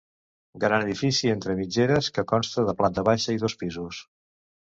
Gran edifici entre mitgeres que consta de planta baixa i dos pisos.